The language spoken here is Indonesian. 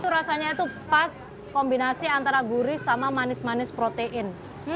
rasanya itu pas kombinasi antara gurih sama manis manis protein